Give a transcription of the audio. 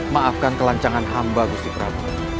maafkan kelancangan hamba gusti prabu